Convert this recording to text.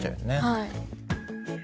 はい。